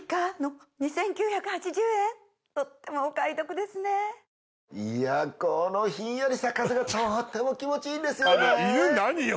とってもお買い得ですねいやこのひんやりした風がとっても気持ちいいですよねあの犬何よ？